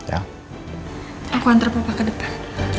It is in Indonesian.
aku antar papa ke depan